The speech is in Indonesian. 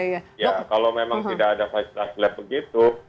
kalau memang tidak ada fasilitas lab begitu